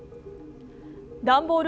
段ボール